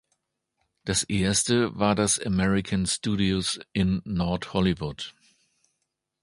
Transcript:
Das erste war das "American Studios" in Nord Hollywood.